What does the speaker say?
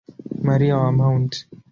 Maria wa Mt.